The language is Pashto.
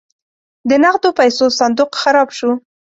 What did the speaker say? د نغدو پیسو صندوق خراب شو.